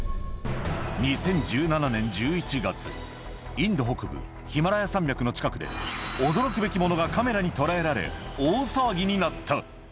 ２０１７年１１月、インド北部、ヒマラヤ山脈の近くで、驚くべきものがカメラに捉えられ、大騒ぎになった。